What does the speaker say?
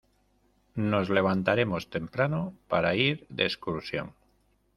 Nos levantaremos temprano para ir de excursión.